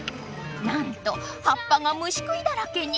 なんとはっぱがむしくいだらけに！